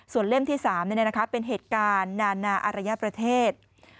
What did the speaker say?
เล่มที่๓เป็นเหตุการณ์นานาอารยประเทศ